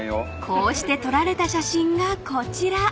［こうして撮られた写真がこちら］